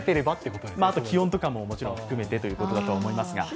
あと気温とかも、もちろん含めてということだと思いますが。